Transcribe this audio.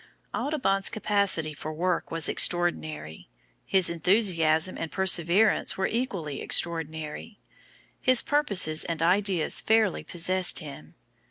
Audubon's capacity for work was extraordinary. His enthusiasm and perseverance were equally extraordinary. His purposes and ideas fairly possessed him.